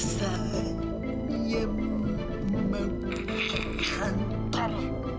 saya mau ke kantor